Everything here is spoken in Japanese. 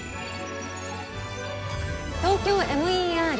ＴＯＫＹＯＭＥＲ